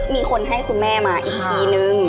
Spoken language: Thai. มีคนให้คุณแม่มาอีกทีนึง